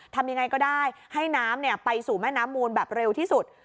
ทำยังไงก็ได้ให้น้ำไปสู่แม่น้ำมูลแบบเร็วที่สุด